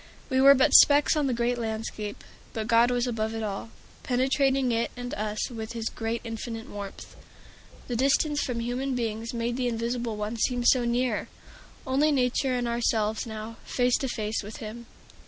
We were but specks on the great landscape. But God was above it all, penetrating it and us with his infinite warmth. The distance from human beings made the Invisible One seem so near! Only Nature and ourselves now, face to face with Him!